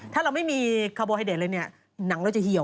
ถ้าเราไม่มีคาร์โบไฮเดตเลยเนี่ยหนังเราจะเหี่ยว